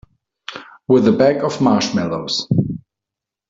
With a bag of marshmallows.